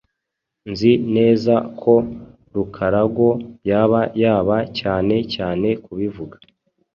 Nzi neza ko Rukarago yaba yaba cyane cyane kubivuga.